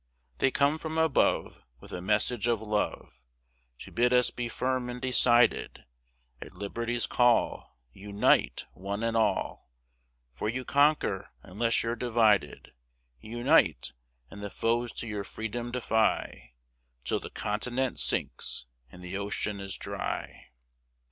They come from above With a message of love, To bid us be firm and decided; "At Liberty's call, Unite one and all, For you conquer, unless you're divided. Unite, and the foes to your freedom defy, Till the continent sinks and the ocean is dry!